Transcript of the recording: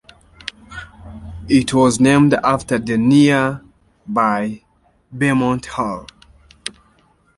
It was named after the nearby Beaumont Hall.